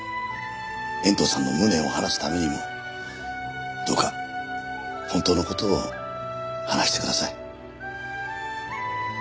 遠藤さんの無念を晴らすためにもどうか本当の事を話してください。